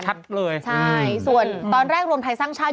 ใช่ส่วนตอนแรกรวมไทยสร้างชาติ